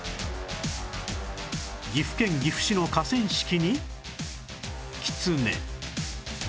岐阜県岐阜市の河川敷にキツネ